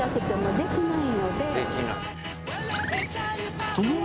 できない。